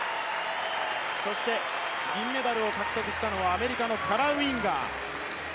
そして銀メダルを獲得したのはアメリカのカラ・ウィンガー。